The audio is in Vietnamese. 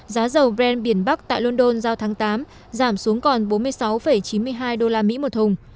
giá dầu brand biển bắc tại london giao tháng tám giảm xuống còn bốn mươi sáu chín mươi hai usd một thùng